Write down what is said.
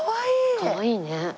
かわいいね。